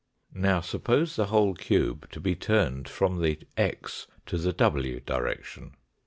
Now, suppose the whole cube to , Fig. 4 (132). be turned from the x to the w direction.